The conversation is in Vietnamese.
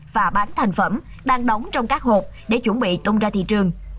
và bán thành phẩm đang đóng trong các hộp để chuẩn bị tung ra thị trường